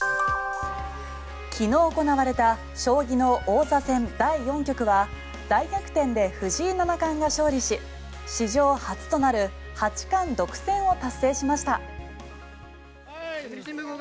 昨日行われた将棋の王座戦第４局は大逆転で藤井七冠が勝利し史上初となる八冠独占を達成しました。